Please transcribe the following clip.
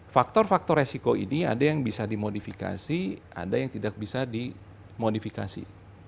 faktor faktor resiko ini ada yang bisa dimodifikasi ada yang tidak bisa dimodifikasi